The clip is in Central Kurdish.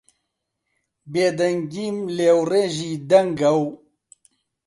بێدەنگیم لێوڕێژی دەنگە و